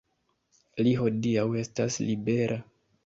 Li hodiaŭ estas libera.